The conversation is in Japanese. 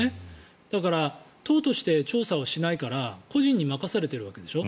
だから、党として調査しないから個人に任されているわけでしょ。